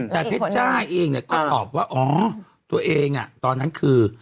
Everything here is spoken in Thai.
แต่เพชรจ้าเองก็ตอบว่าอ๋อตัวเองตอนนั้นคือ